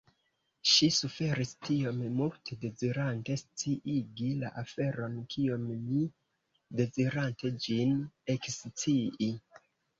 Ŝi suferis tiom multe dezirante sciigi la aferon kiom mi dezirante ĝin ekscii.